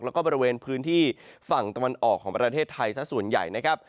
แล้วก็บริเวณพื้นที่ฝั่งตะวันออกของประเทศไทยสักส่วนใหญ่นะครับ